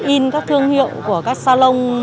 in các thương hiệu của các salon